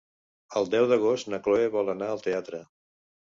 El deu d'agost na Cloè vol anar al teatre.